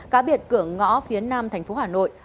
cá biệt cửa ngõ phía nam thành phố hà nội